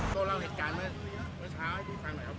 ก็เล่าเหตุการณ์เมื่อเช้าให้พี่ฟังหน่อยครับ